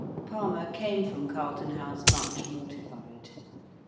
Palmer come from Carlton House much mortified.